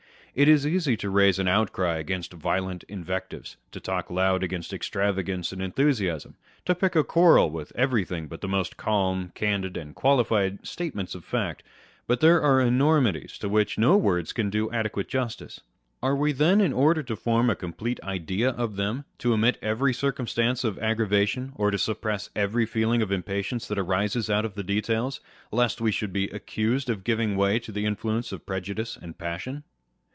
It is easy to raise an outcry against violent invectives, to talk loud against extravagance and enthusiasm, to pick a quarrel with everything but the most calm, candid, and qualified statement of facts : but there are enormities to which no words can do adequate justice. Are we then, in order to form a complete idea of them, to omit every circumstance of aggravation, or to suppress every feeling of impatience that arises out of the details, lest we should be accused of giving way to the influence of prejudice and passion